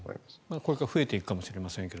これから増えていくかもしれませんが。